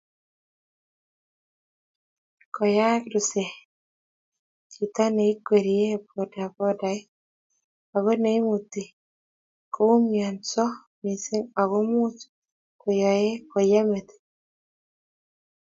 koyayak ruset, chito neikwerie bodabodait ago neimuti koumiansot missing ago much koyeeei metit